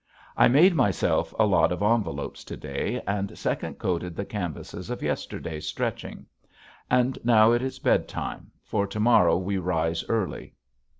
I made myself a lot of envelopes to day and second coated the canvases of yesterday's stretching. And now it is bedtime for to morrow we rise early.